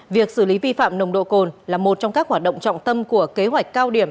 việc xử lý vi phạm nồng độ cồn là một trong các hoạt động trọng tâm của kế hoạch cao điểm